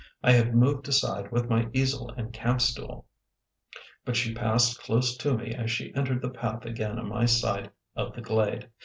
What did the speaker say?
I had moved aside with my easel and camp stool, but she passed close to me as she entered the path again on my side of the glade.